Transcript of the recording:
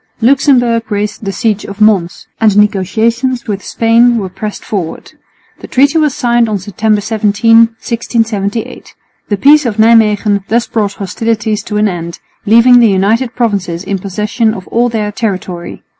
Luxemburg raised the siege of Mons, and the negotiations with Spain were pressed forward. The treaty was signed on September 17, 1678. The peace of Nijmwegen thus brought hostilities to an end, leaving the United Provinces in possession of all their territory.